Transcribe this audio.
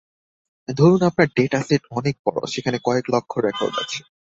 ধরুন আপনার data set অনেক বড় সেখানে কয়েক লক্ষ রেকর্ড আছে।